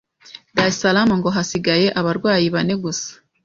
Dar es Salaam ngo hasigaye abarwayi bane gusa